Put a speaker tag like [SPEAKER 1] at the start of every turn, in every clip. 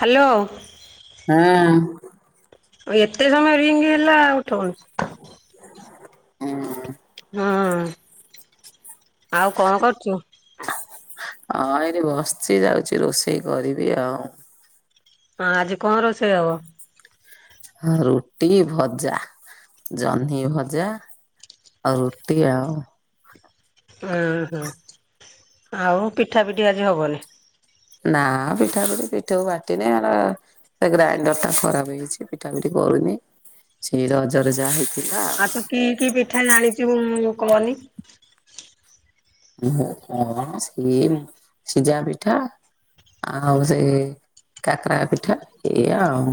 [SPEAKER 1] Hello.
[SPEAKER 2] ହଁ।
[SPEAKER 1] ଏତେ ସମୟ ରିଙ୍ଗ ହେଲା ଆଉ ଉଠଉନୁ।
[SPEAKER 2] ହୁଁ।
[SPEAKER 1] ହଁ ଆଉ କଣ କରୁଚୁ?
[SPEAKER 2] ହଁ ଏଇଠି ବସିଛି ଯାଉଛି ରୋଷେଇ କରିବି ଆଉ।
[SPEAKER 1] ହଁ ଆଜି କ ରୋଷେଇ ହବ?
[SPEAKER 2] ହଁ ରୁଟି, ଭଜା, ଜହ୍ନି ଭଜା। ଆଉ ରୁଟି ଆଉ
[SPEAKER 1] ଉଁ ହଁୁ ଆଉ ପିଠା ପିଠି ଆଜି ହବନି?
[SPEAKER 2] ନା ପିଠା ପିଠି ପିଠଉ ବାଟିନେଇ ଏରା ସେ ଗ୍ରାଇଣ୍ଡର ଟା ଖରାପ ହେଇଛି ପିଠା ପିଠି କରୁନି ସେଇ ରଜରେ ଯାହା ହେଇ ଥିଲା ଆଉ।
[SPEAKER 1] କି କି ପିଠା ଜାଣିଚୁ ମୁ କହନି।
[SPEAKER 2] ମୁଁ କଣ ସିଏ ସିଝା ପିଠା ଆଉ ସେ କାକରା ପିଠା ଏଇଆ ଆଉ।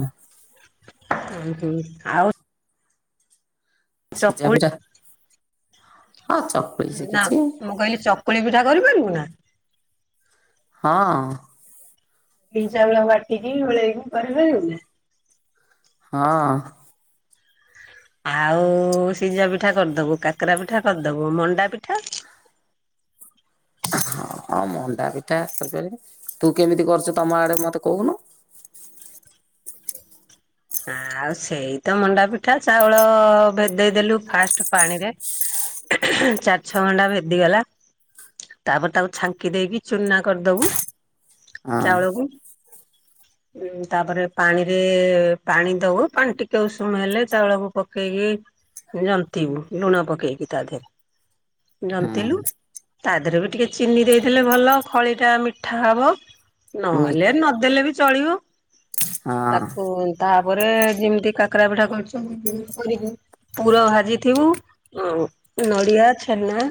[SPEAKER 1] ହୁଁ ହୁଁ ଆଉ
[SPEAKER 2] ସିଜା
[SPEAKER 1] ଚକୁଳି
[SPEAKER 2] ପିଠା ହଁ ଚକ
[SPEAKER 1] ନା ମୁଁ କହିଲି ଚକୁଳି ପିଠା କରିପାରିବୁ ନା?
[SPEAKER 2] ହଁ
[SPEAKER 1] ବିରି, ଚାଉଳ ବାଟିକି ଗୋଳେଇକି କରିିପାରିବୁ ନା?
[SPEAKER 2] ହଁ
[SPEAKER 1] ଆଉ ସିଝା ପିଠା କରିଦବୁ, କାକରା ପିଠା କରିଦବୁ, ମଣ୍ଡା ପିଠା?
[SPEAKER 2] ହଁ, ହଁ ମଣ୍ଡା ପିଠା କରିପାରିବି ତୁ କେମିତି କରୁଛୁ ତମ ଆଡେ ମତେ କହୁନୁ?
[SPEAKER 1] ଆଉ ସେଇ ତ ମଣ୍ଡା ପିଠା ଚାଉଳ ଭେଦେଇଦେଲୁ ଫାଷ୍ଟ ପାଣିରେ ଚାରି ଛଅ ଘଣ୍ଟା ଭେଦି ଗଲା ତାପରେ ତାକୁ ଛାଙ୍କି ଦେଇକି ଚୁନା କରିଦବୁ
[SPEAKER 2] ହଁ
[SPEAKER 1] ଚାଉଳକୁ। ଉଁ ତାପରେ ପାଣିରେ ପାଣି ଦବୁ ପାଣି ଟିକେ ଉଷୁମ ହେଲେ ଚାଉଳକୁ ପକେଇକି ଜନ୍ତିବୁ ଲୁଣ ପକେଇକି ତା ଦେହରେ
[SPEAKER 2] ହଁ
[SPEAKER 1] ଜନ୍ତିଲୁ ତା ଦେହରେ ବି ଟିକେ ଚିନି ଦେଇଦେଲେ ଭଲ ଖଳିଟା ମିଠା ହବ।
[SPEAKER 2] ମି
[SPEAKER 1] ନହେଲେ ନଦେଲେ ବି ଚଳିବ
[SPEAKER 2] ହଁ
[SPEAKER 1] ତାକୁ ତାପରେ ଯେମିତି କାକରା ପିଠା କରୁଚ ସେମିତି କରିବୁ। ପୁର ଭାଜିଥିବୁ ନଡ଼ିଆ ଛେନା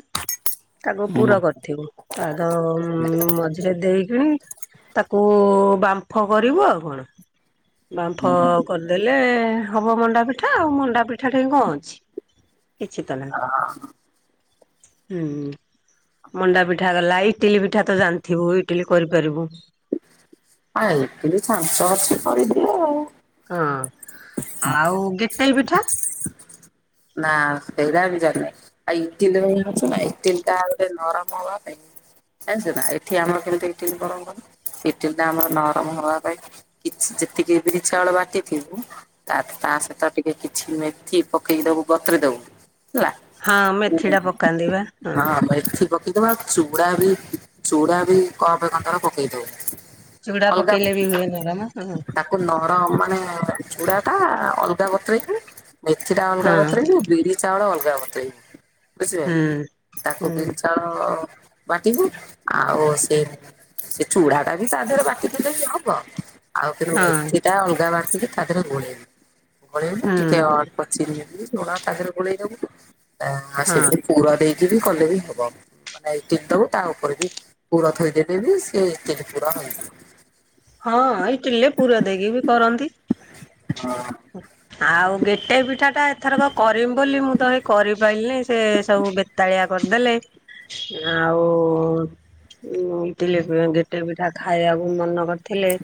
[SPEAKER 1] ତାକୁ ପୁର
[SPEAKER 2] ହଁ।
[SPEAKER 1] କରିଥିବୁ ତାର ମଝିରେ ଦେଇକିଣି ତାକୁ ବାମ୍ଫ କରିବୁ ଆଉ କଣ ବାମ୍ଫ କରିଦେଲେ ହବ ମଣ୍ଡା ପିଠା ଆଉ ମଣ୍ଡା ପିଠା ଠେଇ କଣ ଅଛି କିଛି ତ ନାହିଁ।
[SPEAKER 2] ହଁ
[SPEAKER 1] ହୁଁ ମଣ୍ଡା ପିଠା ଗଲା ଇଟିଲି ପିଠା ତ ଜାଣିଥିବୁ ଇଟିଲି କରିପାରିବୁ।
[SPEAKER 2] ଆ ଇଟିଲି ଚ୍ଛାଞ୍ଚ ଅଛି କରିଦିଏ ଆଉ।
[SPEAKER 1] ହଁ ଆଉ ଗେଟେଇ ପିଠା?
[SPEAKER 2] ନା ସେଇଟା ବି ଜାଣିନି। ଆଇ ଇଟିିଲି ଭ ଅଛି ନା ଇଟିିଲିଟା ଗୋଟେ ନରମ ହବା ପାଇଁ ଜାଣିଚୁନା ଏଠି ଆମର କେମିତି ଇଟିଲ କରନ୍ତି କହନି ଇଟିଲି ଟା ଆମର ନରମ ହବା ପାଇଁ କି ଯେତିକି ବିରିଚାଉଳ ବାଟିଥିବୁ ତାର ତା ସହିତ ଟିକେ କିଛି ମେଥି ପକେଇ ଦବୁ ବତୁରେଇ ଦବୁ ହେଲା
[SPEAKER 1] ହଁ ମେଥିଟା ପକାନ୍ତି ବା
[SPEAKER 2] ହଁ ମେଥି ପକେଇଦବୁ ଆଉ ଚୁଡା ବି ଚୁଡା ବି କପେ କନ୍ତର ପକେଇ ଦବୁ।
[SPEAKER 1] ଚୁଡା
[SPEAKER 2] ଅଲଗା
[SPEAKER 1] ପକେଇଲେ ବି ହୁଏ ନରମ ହଁ
[SPEAKER 2] ତାକ କୁ ନରମ ମାନେ ଚୁଡା ଟା ଅଲଗା ବତୁରେଇ ଥିବୁ ମେଥି ଟା ଅଲଗା ବତୁ
[SPEAKER 1] ହଁ
[SPEAKER 2] ବିରି ଚାଉଳ ଅଲଗା ବତୁରେଇବୁ ବୁଝିପାଇଲୁ
[SPEAKER 1] ହୁଁ
[SPEAKER 2] ତାକୁ
[SPEAKER 1] ହୁଁ।
[SPEAKER 2] ବିରି ଚାଉଳ ବାଟିବୁ ଆଉ ସେ ସେ ଚୁଡ଼ା ଟା ବି ତା ଦେହରେ ବାଟିିଦେଲେ ହବ। ଆଉ କିନ୍ତୁ
[SPEAKER 1] ହଁ
[SPEAKER 2] ମେଥି ଟା ଅଲଗା ବାଟିକି ତା ଦେହରେ ଗୋଳେଇବୁ ଗୋଳେଇବୁ
[SPEAKER 1] ହୁଁ
[SPEAKER 2] ଟିକେ
[SPEAKER 1] ହୁଁ
[SPEAKER 2] ଅଳପ ଚିନି ଦେଇ ଲୁଣ ତା ଦେହରେ ଗୋଳେଇଦବୁ ଆ
[SPEAKER 1] ହଁ
[SPEAKER 2] ସେମିତି ପୁର ଦେଇକି କଲେ ବି ହବ। ମାନେ ଇଟିଲି ଦବୁ ତା ଉପରେ ବି ପୁର ଥୋଇଦେଲେ ବି ସେଇ ଇଟିଲିପୁର ହେଇଯିବ।
[SPEAKER 1] ହଁ ଇଟିଲିରେ ପୁର ଦେଇକି ବି କରନ୍ତି।
[SPEAKER 2] ହଁ
[SPEAKER 1] ହୁଁ ଆଉ ଗେଟେଇ ପିଠା ଟା ଏଥରକ କରିମି ବୋଲି ମୁଁ ତ ହେଇ କରିପାଇଲି ନେଇ ସେ ସବୁ ବେ ବେତାଳିଆ କରିଦେଲେ ଆଉ। ଉ ପିଲେ ଗେ ଗେଟେଇ ପିଠା ଖାଇବାକୁ ମନ କରିଥିଲେ।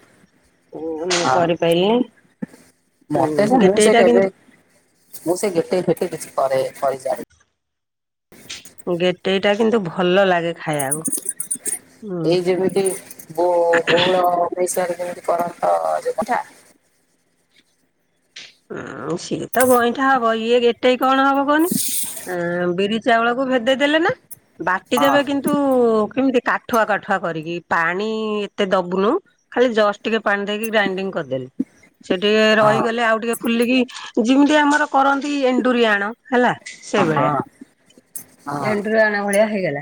[SPEAKER 1] ମୁଁ କରିପାଇଲି।
[SPEAKER 2] ମୋତେ ଯେ ମୁଁ ସେ କେବେ
[SPEAKER 1] କିନ୍ତୁ
[SPEAKER 2] ମୁଁ ସେ ଗୋଟେଇ ଫେଟେଇ କିଛି କରେ କରିଜାଣିନି।
[SPEAKER 1] ଗେଟେଇଟା କିନ୍ତୁ ଭଲ ଲାଗେ। ଖାଇବାକୁ। ହୁଁ।
[SPEAKER 2] ଏଇ ଯେମିତି [unintelligible] ଷରେ କେମିତି କରଟ ଯିବନା
[SPEAKER 1] ଉଁ ସିଏ ତ ଗଇଁଠା ହବ ଇଏ ଗେଟେଇ କଣ ହବ କହନି ଏ ବିରି ଚାଉଳକୁ ଭେଦେଇ ଦେଲେ ନା
[SPEAKER 2] ହଁ
[SPEAKER 1] ବାଟିଦବେ କିନ୍ତ ଜା ନ୍ତୁ କେମିତି କାଠୁଆ କାଠୁଆ କରିକି ପାଣି ଏତେ ଦବୁନୁ ଖାଲି ଜଷ୍ଟ ଟିକେ ପାଣି ଦେଇକି ଗ୍ରାଇଣ୍ଡିଙ୍ଗ କରିଦେଲି ସେ ଟିକେ
[SPEAKER 2] ହଁ
[SPEAKER 1] ରହିଗଲେ ଆଉ ଟିକେ ଫୁଲିକି ଯେମିତି ଆମର କରନ୍ତି ଏଣ୍ଡୁରିଆଣ ହେଲା ସେଇଭଳିଆ।
[SPEAKER 2] ହଁ ହଁ
[SPEAKER 1] ଏଣ୍ଡିରୁ ଆଣ ଭଳିଆ ହେଇଗଲା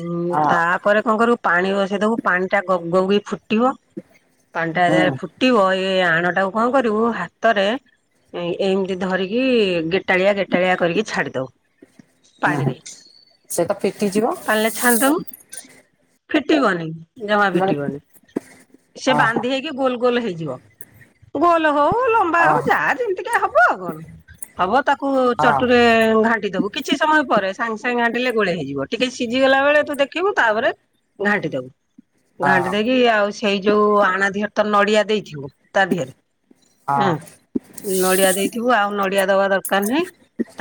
[SPEAKER 1] ଉଁ
[SPEAKER 2] ହଁ
[SPEAKER 1] ତାପରେ କଣ କରୁ ପାଣି ବସେଇ ଦବୁ ପାଣିଟା ଗବ ଗବ କି ଫୁଟିବ ପାଣି ଟା
[SPEAKER 2] ହୁଁ
[SPEAKER 1] ଯେତେବେଳେ ଫୁ ଫୁଟିବ ଏଇ ଆଣଟାକୁ କଣ କରିବୁ ହାତରେ ଏମିତି ଧରିକି ଗେଟାଳିଆ ଗେଟାଳିଆ କରିକି ଛାଡି ଦବୁ।
[SPEAKER 2] ହୁଁ
[SPEAKER 1] ପାଣିରେ
[SPEAKER 2] ସେ ତ ଫିଟିଯିବ
[SPEAKER 1] ପାଣିରେ ଛାଡ଼ିଦବୁ ଫିଟିବନି। ଜମା
[SPEAKER 2] ମାନେ
[SPEAKER 1] ଫିଟିବନି ସେ
[SPEAKER 2] ଅହ
[SPEAKER 1] ବାନ୍ଧି ହେଇକି ଗୋଲ ଗୋଲ ହେଇଯିବ। ଗୋଲ ହଉ ଲମ୍ବା ହଉ
[SPEAKER 2] ଅହ
[SPEAKER 1] ଯାହା ଯେମତିକା ହବ ଆଉ କଣ। ହବ ତାକୁ
[SPEAKER 2] ଅ ହଁ
[SPEAKER 1] ଚଟୁରେ ଘାଣ୍ଟି ଦବୁ କି କିଛି ସମୟ ପରେ ସାଙ୍ଗେ ସାଙ୍ଗେ ଘାଣ୍ଟିଲେ ଗୋଳେଇ ହେଇଯିବ ଟିକେ ସିଝିଗଲା ବେଳେ ତୁ ଦେଖିବୁ ତାପରେ ଘାଣ୍ଟି ଦବୁ। ଘାଣ୍ଟି ଦେଇକି ଆଉ ସେଇ ଯୋଉ ଆଣ ଦିହରେ ତ ନଡିଆ ଦେଇଥିବୁ ତା ଦିହରେ ହଁ ନଡିଆ ଦେଇଥିବୁ ଆଉ ନଡିଆ ଦବା ଦରକାର ନାହିଁ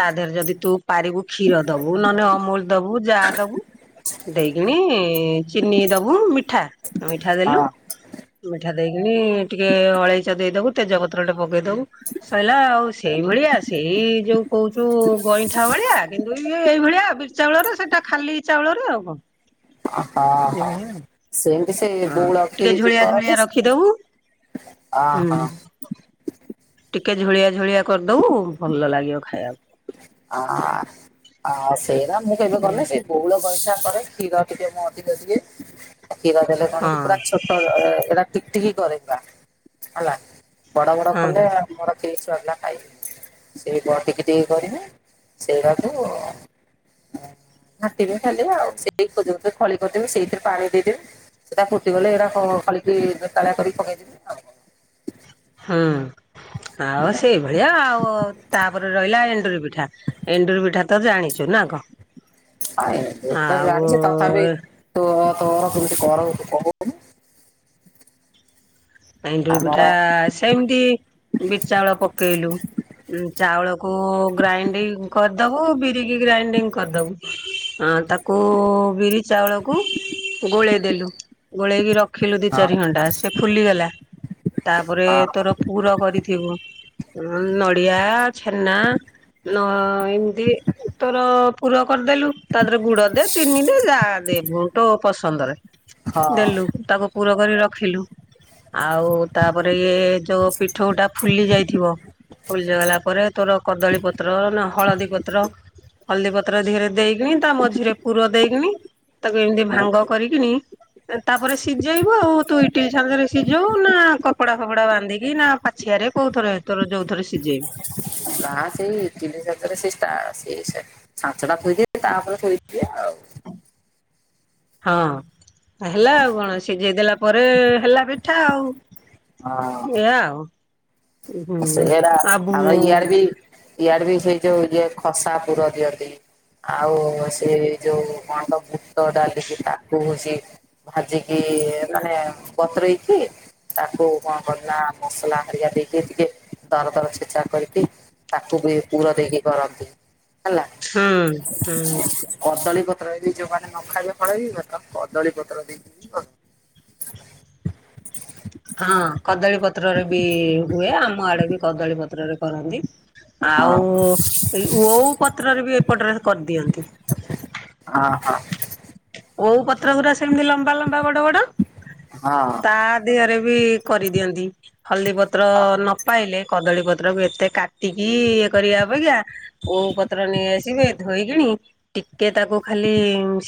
[SPEAKER 1] ତା ଦେହରେ ଯଦି ତୁ ପାରିକୁୁ କ୍ଷୀର ଦବୁ ନହେଲେ ଅମୁଲ ଦବୁ ଯାହା ଦବୁ। ଦେଇକିଣି ଚିନି ଦବୁ ମିଠା ମିଠା ଦେଲୁ ମିଠା ଦେଇକିନି ଟିକେ ଅଳେଇଚ ଦେଇଦବୁ ତେଜପତ୍ର ଟେ ପକେଇ ଦବୁ ସଇଲା ଆଉ ସେଇଭଳିଆ ସେଇ ଯୋଉ କହୁଛୁ ଗଇ ଠା ଭଳିଆ କିନ୍ତୁ ଇଏ ଏଇଭଳିଆ ବିରି ଚାଉଳରେ ସେଇଟା ଖାଲି ଚାଉଳରେ ଆଉ କଣ
[SPEAKER 2] ହଁ ହଁ।
[SPEAKER 1] ଏଇଭଳିଆ ଆଉ।
[SPEAKER 2] ସେମିତି ସେ
[SPEAKER 1] ହଁ
[SPEAKER 2] ବଉଳ
[SPEAKER 1] ଟିକେ
[SPEAKER 2] ଖିରି ଯେ
[SPEAKER 1] ଝୋଳିଆ ଝୋଳିଆ
[SPEAKER 2] କରନ୍ତି
[SPEAKER 1] ରଖିଦବୁ ହୁଁ।
[SPEAKER 2] ଅହୋ।
[SPEAKER 1] ଟିକେ ଝୁଳିଆ ଝୁଳିଆ କରିଦବୁ ଭଲ ଲାଗିବ ଖାଇବାକୁ।
[SPEAKER 2] ଅ ଆଉ ସେଇଟା ମୁଁ କେବେ କଲେ ସେଇ ବଉଳ ଗଇଁଠା କରେ କ୍ଷୀର ଟିକେ ମୁ ଅଧିକ ଦିଏ କ୍ଷୀର ଦେଲେ କଣ କି
[SPEAKER 1] ହଁ
[SPEAKER 2] ପୁରା ଛୋ ଟ ଏଇଟା ଟିକି ଟିକି କରେ ପୁରା ହେଲା ବଡ ବଡ
[SPEAKER 1] ହଁ।
[SPEAKER 2] କଲେ ବଡ ଥିଲେ ଛୁଆ ପିଲା ଖାଇବେନି ସେଇ ବଡ ଟିକେ ଟିକେ କରିବି ସେଇଟାକୁ
[SPEAKER 1] [inaudible]
[SPEAKER 2] ଘାଣ୍ଟିବେ ଖାଲି ଆଉ ସେଇ ଯୋଉ ଖଳି କରିଦେବି ସେଇଥିରେ ପାଣି ଦେଇଦେବି। ସେଇଟା ଫୁଟିଗଲେ ଏଇଟା ଖାଲିକି ବେତାଳିଆ କରି ପକେଇଦେବେ ଆଉ କ
[SPEAKER 1] ହୁଁ ଆଉ ସେଇଭଳିଆ ଆଉ ତାପରେ ରହିଲା ଏଣ୍ଟୁରି ପିଠା। ଏଣ୍ଡୁୁରି ପିଠା ତ ଜାଣିଛୁ ନା କଣ
[SPEAKER 2] ଆଉ ତୁ ତ
[SPEAKER 1] ଆଉ
[SPEAKER 2] ଜାଣିଛୁ ତଥାପି [unintelligible] କରୁନୁ।
[SPEAKER 1] ଏଣ୍ଡୁରି
[SPEAKER 2] ଆମର
[SPEAKER 1] ପିଠା ସେମିତି ବିରି ଚାଉଳ ପକେଇଲୁ। ଉ ଚାଉଳକୁ ଗ୍ରାଇଣ୍ଡିଙ୍ଗ କରିଦବୁ ବିରିକି ଗ୍ରାଇଣ୍ଡିଙ୍ଗ କରିଦବୁ ଆଁ ତାକୁ କୁ ବିରି ଚାଉଳକୁ ଗୋଳେଇ ଦେଲୁ ଗୋଳେଇକି ରଖି ରଖିଲୁ ଦି
[SPEAKER 2] ହଁ
[SPEAKER 1] ଚାରି ଘଣ୍ଟା ସେ ଫୁଲିଗଲା। ତାପରେ
[SPEAKER 2] ହଁ
[SPEAKER 1] ତୋର ପୁର କରିଥିବୁ ନଡିଆ ଛେନା ନ ଏମିତି ତୋର ପୁର କରିଦେଲୁ। ତା ଦେହରେ ଗୁଡ ଦେ ଚିନି ଦେ ଯାହା ଦେବୁ ତୋ ପସନ୍ଦରେ
[SPEAKER 2] ହଁ
[SPEAKER 1] ଦେଲୁ ତାକୁ ପୂୁର କରି ରଖିଲୁ ଆଉ ତାପରେ ଇଏ ଯୋଉ ପିଠଉଟା ଫୁଲି ଯାଇଥିବ ଫୁଳି ଯଗଲା ପରେ ତୋର କଦଳୀ ପତ୍ର ନା ହଳଦୀ ପତ୍ର ହଳଦୀ ପତ୍ର ଧୀରେ ଦେଇକିନି ତା ମଝିରେ ପୁର ଦେଇକିନି ତାକୁ ଏମିତି ଭାଙ୍ଗ କରିକିନି ତାପରେ ସିଝେଇବ ଆଉ ତୁ ଇଟିଲିରେ ସିଝଉ ନା କପଡା ଫପଡା ବାନ୍ଧିକି ନା ପାଛିଆରେ କୋଉଥରେର ଯୋଉ ଥରେ ସିଝେଇ?
[SPEAKER 2] ନା ସେଇ ତିନିଶାତରେ ସୋ ସେ ସାଞ୍ଚଟା ଥୋଇଦ ତାପରେ ଥୋଇଦିବେ ଆଉ
[SPEAKER 1] ହଁ ହେଲା ଆଉ କଣ ସିଝେଇ ଦେଲା ପରେ ହେଲା ପିଠା ଆଉ। ଏଇଆ ଆଉ ହୁଁ
[SPEAKER 2] ହଁ ସେଟା
[SPEAKER 1] ଆଉ ବୁ
[SPEAKER 2] ଆମର ଇୟଡେ ବି ଇଆଡେ ବି ସେଇ ଯୋଉ ଇଏ ଖସା ପୁର ଦିଅନ୍ତି। ଆଉ ସେ ଯୋଉ କଣ ତ ବୁଟ ଡାଲିକି ତାକୁ [unintelligible] ଭାଜିକି ମାନେ ବତୁରେଇକି ତାକୁ କଣ କରେନା ମସଲା ହାରିକା ଦେଇକି ଟିକେ ଦର ଦର ଛେଚା କରିକି ତାକୁ ବି ପୁର ଦେଇକି କରନ୍ତି ହେଲା।
[SPEAKER 1] ହୁଁ ହୁଁ।
[SPEAKER 2] କଦଳୀ ପତ୍ର ଏଇି ଯୋଉମାନେ ନ ଖାଇଲା [unintelligible] କଦଳୀ ପତ୍ର ଦେଇକି। ବି କରନ୍ତି।
[SPEAKER 1] ହଁ କଦଳୀ ପତ୍ରରେ ବି ହୁଏ ଆମ ଆଡେ ବି କଦଳୀ ପତ୍ରରେ କରନ୍ତି।
[SPEAKER 2] ହଁ
[SPEAKER 1] ଆଉ ଏ ଓଉ ପତ୍ରରେ ବି ଏପଟରେ କରିଦିଅନ୍ତି।
[SPEAKER 2] ହଁ। ହଁ
[SPEAKER 1] ଓଉ ପତ୍ର ଗୁଡା ସେମିତି ଲମ୍ବା ଲମ୍ବା ବଡ ବଡ
[SPEAKER 2] ହଁ।
[SPEAKER 1] ତା ଦିଅରେ ବି କରିଦିଅନ୍ତି। ହଳଦୀ ପତ୍ର ନ ପାଇଲେ କଦଳୀ ପତ୍ରକୁ ଏତେ କାଟିକି ଇଏ କରିବା ଅପେକ୍ଷା ଓଉ ପତ୍ର ନେଇ ଆସିବେ ଧୋଇକିନି ଟିକେ ତାକୁ ଖାଲି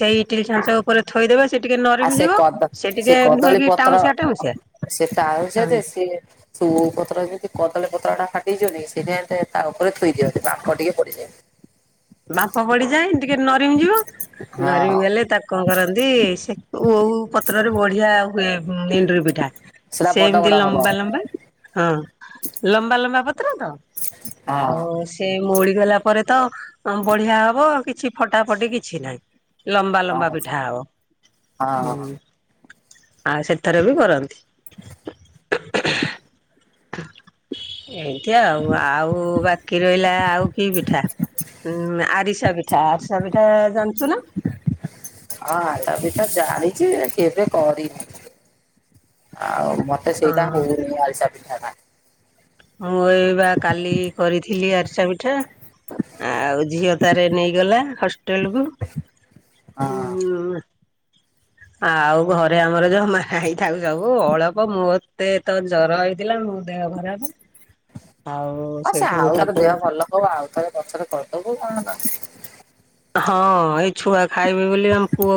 [SPEAKER 1] ସେଇ ଇଟିଲ ଛାଞ୍ଚ ଉ ଉପରେ ଥୋଇଦେବେ ସେ ଟିକେ
[SPEAKER 2] ଆଉ
[SPEAKER 1] ନରିମି
[SPEAKER 2] ସେ
[SPEAKER 1] ଯିବ
[SPEAKER 2] କଦ
[SPEAKER 1] ସେ ଟିକେ ନୁହେକି ଟାଉଁସିଆ ଟାଉଁସିଆ।
[SPEAKER 2] ସେ ତ ଆଉଛ
[SPEAKER 1] ହଁ
[SPEAKER 2] ତ ସେ ସବ ପତ୍ର ଯେମିତି କଦଳୀ ପତ୍ର ଟା ଫାଟିଯିବନି ସେଇଟା ଏ ତା ଉପରେ ଥୋଇ ଦିଅନ୍ତି ବାମ୍ପ ଟିକେ ପଡିଯାଇ
[SPEAKER 1] ବାପ ପଡିଯାଏ ଟିକେ ନରିମ ଯିବ
[SPEAKER 2] ହଁ
[SPEAKER 1] ନରିମ ଗଲେ ତାକୁ କଣ କରନ୍ତି ସେ କଉ ପତ୍ରରେ ବଢିଆ ଆଉ ଏଣ୍ଡୁରି ପିଠା
[SPEAKER 2] ସେଟା
[SPEAKER 1] ସେ
[SPEAKER 2] ବଡ
[SPEAKER 1] ଏମିତି
[SPEAKER 2] ବଡ ହବ ହଁ
[SPEAKER 1] ଲମ୍ବା ଲମ୍ବା। ହଁ ଲମ୍ବା ଲମ୍ବା ପତ୍ର ତ
[SPEAKER 2] ହଁ।
[SPEAKER 1] ଆଉ ସେ ମଉଳି ଗଲା ପରେ ତ ବଢିଆ ହବ କିଛି ଫଟା ଫଟି କିଛି ନାହିଁ। ଲମ୍ବା ଲମ୍ବା
[SPEAKER 2] ହଁ
[SPEAKER 1] ପିଠା ଆଉ
[SPEAKER 2] ହଁ
[SPEAKER 1] ହୁଁ। ଆଉ ସେଥିରେ ବି କରନ୍ତି। ଏମତି ଆଉ ଆଉ ବାକି ରହିଲା ଆଉ କି ପିଠା ଉଁ ଆରିସା ପିଠା ଆରିସା ପିଠା ଜାଣିଛୁ ନା।
[SPEAKER 2] ହଁ ତ ବି ତ ଜାଣିଛି କେବେ କରିନି। ଆଉ ମତେ ସେଇଟା
[SPEAKER 1] ହଁ
[SPEAKER 2] ହଉନି ଆଳସା ପିଠାଟା।
[SPEAKER 1] ମୁଁ ଏ ବା କାଲି କରିଥିଲି ଆରିଚା ପିଠା ଆଉ ଝିଅ ତାର ନେଇଗଲା ହଷ୍ଟେଲ କ
[SPEAKER 2] ହଁ।
[SPEAKER 1] ଆଉ ଘରେ ଆମର ଯୋଉ ମା ହେଇଥାକୁ ସବୁ ଅଳ୍ପ ମୋତେ ତ ଜର ହେଇଥିଲା ମୁଁ ଦେହଘରାବ ଆଉ
[SPEAKER 2] ହଁ ସେ
[SPEAKER 1] ସେଇଠୁ
[SPEAKER 2] ଆଉ ଥରେ
[SPEAKER 1] ତାକୁ
[SPEAKER 2] ଦେହ ଭଲ ହଉ ଆଉ ଥରେ ପଛରେ କରିଦବୁ କଣ ତ
[SPEAKER 1] ହଁ ଏଇ ଛୁଆ ଖାଇବେି ବୋଲି ଆମ ପୁଅ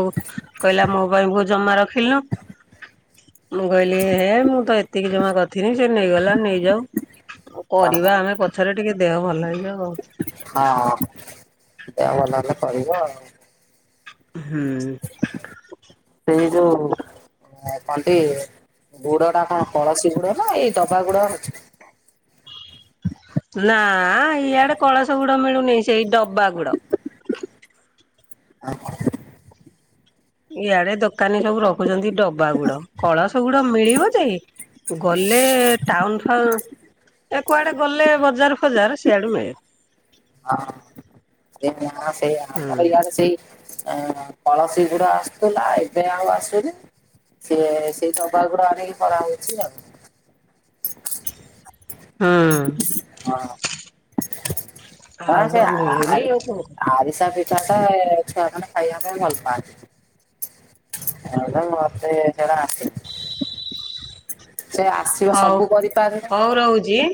[SPEAKER 1] କହିଲା ମୋ ପାଇଁ କୋ ଜମା ରଖିଲୁନୁ। ମୁଁ କହିଲି ହେ ମୁଁ ତ ଏତିକି ଜମା କରିଥିନି ସେ ନେଇଗଲା ନେଇଯାଉ।
[SPEAKER 2] ହଁ
[SPEAKER 1] କରିବା ଆମେ ପଛରେ ଟିକେ ଦେହ ଭଲ ହେଇଯିବ ହଉ।
[SPEAKER 2] ହଁ ଦେହ ଭଲ ଭଲ କରିବ ଆଉ।
[SPEAKER 1] ହୁଁ।
[SPEAKER 2] ସେଇ ଯୋଉ ହ କଣ୍ଟି ଗୁଡ ଟା କଣ କଳସୀ ଗୁଡ ନା ଏଇ ଦବା ଗୁଡ
[SPEAKER 1] ନା ଇଆଡେ କଳସ ଗୁଡ ମିଳୁନି ସେଇ ଡବା ଗୁଡ।
[SPEAKER 2] ଆଁ ଫଡ
[SPEAKER 1] ଇଆଡେ ଦୋକାନୀ ସବୁ ରଖୁଚନ୍ତି ଡବା ଗୁଡ କଳସ ଗୁଡ ମିଳିବ ଯେ ଗଲେ ଟାଉନ୍ ଫାଉ ଏ କୁଆଡେ ଗଲେ ବଜାର୍ ଫଜାର୍ ସେଆଡୁ ନେ
[SPEAKER 2] ହଁ ସେ ଆମର
[SPEAKER 1] ହୁଁ
[SPEAKER 2] ଇଆଡେ ସେଇ ଆଁ ପଳସୀ ଗୁଡା ଆସୁଥୁଲା ଏବେ ଆଉ ଆସୁନି। ସେ ସେଇ ଡବା ଆ ଗୁଡ ଆଣିକି କରା ହୋଉଚି ଆଉ।
[SPEAKER 1] ହଁ।
[SPEAKER 2] ହଁ
[SPEAKER 1] ଆଉ
[SPEAKER 2] ସେ
[SPEAKER 1] କଣ
[SPEAKER 2] ଆ
[SPEAKER 1] ମିଳୁନି ଆଉ କଣ
[SPEAKER 2] ଆରିସା ପି ଚାଟେ ଛୁଆମାନୋନେ ଖାଇବା ପାଇଁ ଭଲ୍ ପାଆନ୍ତି। ଆ ମତେ ସେରା ଆସେନି। ସେ ଆସିବ
[SPEAKER 1] ହଉ
[SPEAKER 2] ସବୁ
[SPEAKER 1] ହଉ ରହୁଛି।
[SPEAKER 2] କରିପାରେନେ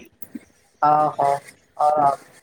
[SPEAKER 2] ଓ ହୋ ହୋଉ ହୋଉ।